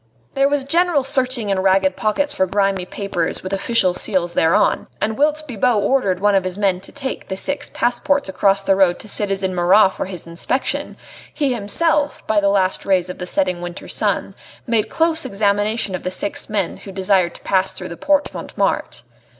There was general searching in ragged pockets for grimy papers with official seals thereon, and whilst Bibot ordered one of his men to take the six passports across the road to citizen Marat for his inspection, he himself, by the last rays of the setting winter sun, made close examination of the six men who desired to pass through the Porte Montmartre.